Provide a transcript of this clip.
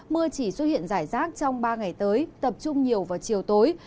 mưa chỉ xuất hiện rải rác trong ba ngày tới tập trung nhiều vào chiều tối